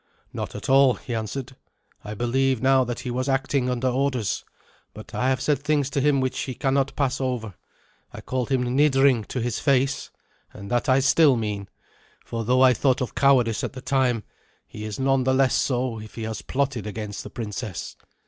"Not at all," he answered. "I believe now that he was acting under orders, but I have said things to him which he cannot pass over. I called him 'nidring' to his face, and that I still mean; for though I thought of cowardice at the time, he is none the less so if he has plotted against the princess.